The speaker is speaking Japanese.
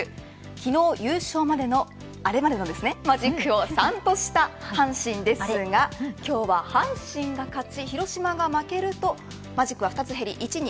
昨日、優勝までのマジックを３とした阪神ですが今日は阪神が勝ち広島が負けるとマジックは２つ減り１に。